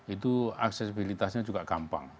itu aksesibilitasnya juga gampang